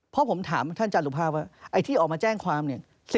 เพราะผมถามท่านจารุภาพว่าไอ้ที่ออกมาแจ้งความเนี่ย